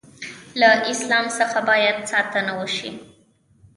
له اسلام څخه باید ساتنه وشي.